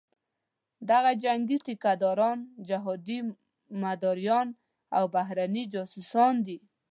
دغه جنګي ټیکه داران، جهادي مداریان او بهرني جاسوسان دي.